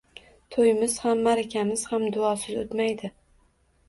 To‘yimiz ham, ma’rakamiz ham duosiz o‘tmaydi.